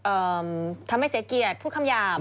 เอ่อทำให้เสียเกียรติพูดคำหยาบ